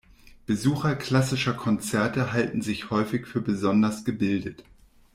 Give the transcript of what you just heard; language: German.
Besucher klassischer Konzerte halten sich häufig für besonders gebildet.